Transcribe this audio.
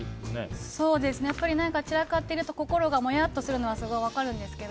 やっぱり散らかってると心がもやってするのはすごい分かるんですけど。